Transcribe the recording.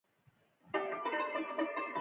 توپان به سخت تمام شی